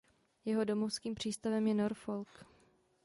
Jeho domovským přístavem je Norfolk.